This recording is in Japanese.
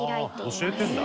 教えてんだ！